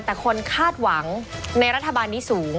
แต่คนคาดหวังในรัฐบาลนี้สูง